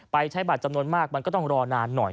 ใช้บัตรจำนวนมากมันก็ต้องรอนานหน่อย